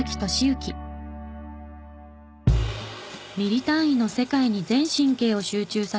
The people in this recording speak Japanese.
ミリ単位の世界に全神経を集中させ